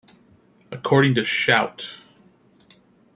According to Shout!